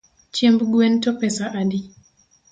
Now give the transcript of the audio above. Chiemb gwen to pesa adi?